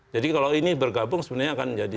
jadi kalau ini bergabung sebenarnya akan jadi